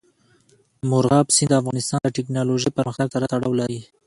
مورغاب سیند د افغانستان د تکنالوژۍ پرمختګ سره تړاو لري.